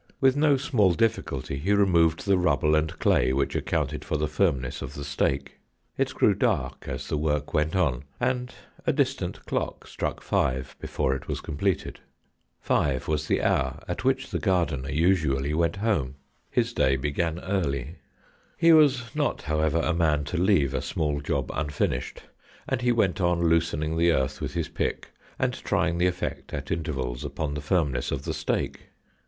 With no small difficulty he removed the rubble and clay which accounted for the firmness of the stake. It grew dark as the work went on, and a distant clock struck five before it was completed. Five was the hour at which the gardener usually went home ; his 109 GHOST TALES. day began early. He was not, however, a man to leave a small job unfinished, and he went on loosening the earth with his pick, and trying the effect, at intervals, upon the firmness of the stake.